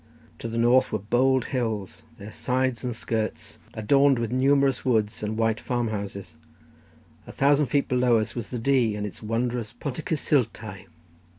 To the north were bold hills, their sides and skirts adorned with numerous woods and white farmhouses; a thousand feet below us was the Dee, and its wondrous Pont y Cysultau.